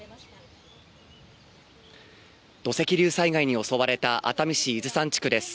土石流災害に襲われた熱海市伊豆山地区です